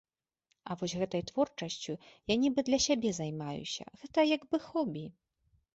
А вось гэтай творчасцю я нібы для сябе займаюся, гэта як бы хобі.